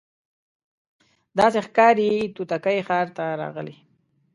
داسي ښکاري توتکۍ ښار ته راغلې